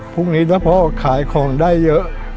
พรุ่งนี้ถ้าพ่อขายของได้เยอะ